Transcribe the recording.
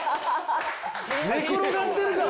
寝転がってるから。